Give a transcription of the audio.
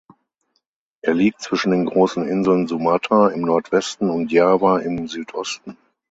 Er liegt zwischen den großen Inseln Sumatra im Nordwesten und Java im Südosten.